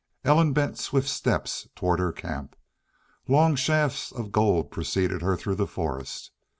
Ellen bent swift steps toward her camp. Long shafts of gold preceded her through the forest.